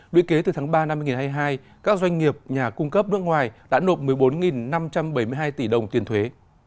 đệ kế từ tháng ba năm hai nghìn hai mươi hai các doanh nghiệp nhà cung cấp nước ngoài đã nộp một mươi bốn năm trăm bảy mươi hai tỷ đồng tiền thuế